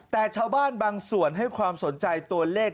แต่ชาวบ้านบางส่วนให้ความสนใจตัวเลข